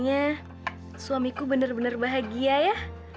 aku bener bener bahagia ya